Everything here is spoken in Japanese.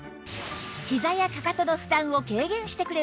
ひざやかかとの負担を軽減してくれます